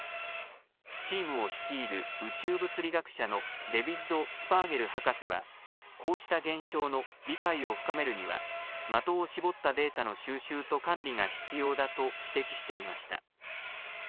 チームを率いる宇宙物理学者のデビッド・スパーゲル博士はこうした現象の理解を深めるには的を絞ったデータの収集と管理が必要だと指摘していました。